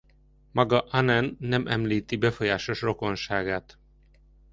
Maga Anen nem említi befolyásos rokonságát.